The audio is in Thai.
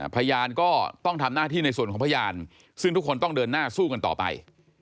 พยานก็ต้องทำหน้าที่ในส่วนของพยานซึ่งทุกคนต้องเดินหน้าสู้กันต่อไป